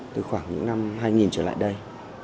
từ khoảng những năm hai nghìn trở lại đây